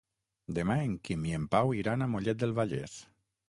Demà en Quim i en Pau iran a Mollet del Vallès.